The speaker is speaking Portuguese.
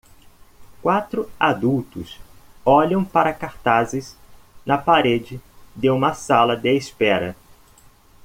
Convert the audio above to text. Quatro adultos olham para cartazes na parede de uma sala de espera.